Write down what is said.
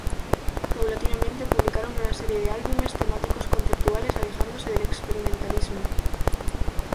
Paulatinamente publicaron una serie de álbumes temáticos conceptuales alejándose del experimentalismo.